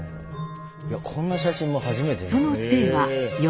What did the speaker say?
いやこんな写真も初めて見る。